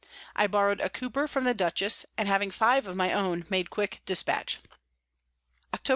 I borrow'd a Cooper from the Dutchess, and having five of my own, made quick dispatch. _Octob.